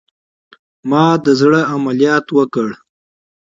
ما د زړه عملیات وکړه